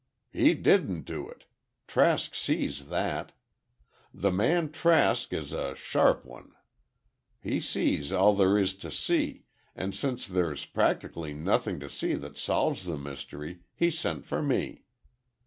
"He didn't do it. Trask sees that. The man Trask is a sharp one. He sees all there is to see, and since there's practically nothing to see that solves the mystery, he sent for me.